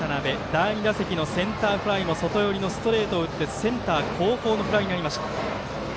第２打席のセンターフライも外寄りのストレートを打ってセンター後方のフライになりました。